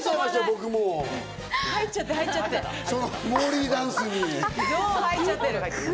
入っちゃってる、入っちゃってる！